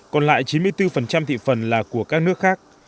còn lại chín mươi bốn thị phần là của các nước khác